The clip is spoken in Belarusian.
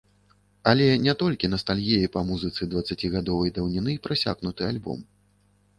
Але не толькі настальгіяй па музыцы дваццацігадовай даўніны прасякнуты альбом.